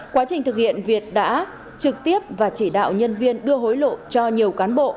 quá trình thực hiện việt đã trực tiếp và chỉ đạo nhân viên đưa hối lộ cho nhiều cán bộ